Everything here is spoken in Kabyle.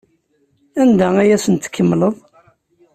Anda ay asent-tkemmleḍ?